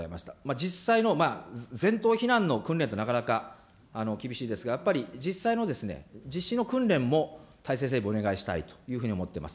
実際の全島避難の訓練ってなかなか厳しいですが、やっぱり実際の実施の訓練も体制整備をお願いしたいというふうに思っています。